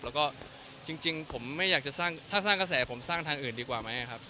แล้วก็จริงผมไม่อยากจะสร้างถ้าสร้างกระแสผมสร้างทางอื่นดีกว่าไหมครับ